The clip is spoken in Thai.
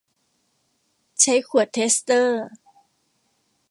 ใช้ขวดเทสเตอร์